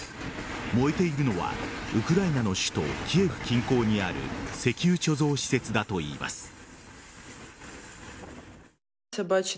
燃えているのはウクライナの首都キエフ近郊にある石油貯蔵施設だといいます。